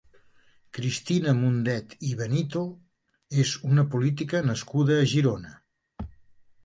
Cristina Mundet i Benito és una política nascuda a Girona.